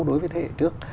đối với thế hệ trước